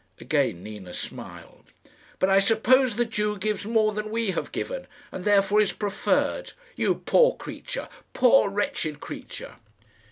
Again Nina smiled. "But I suppose the Jew gives more than we have given, and therefore is preferred. You poor creature poor wretched creature!"